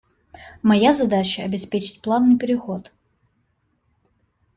Моя задача – обеспечить плавный переход.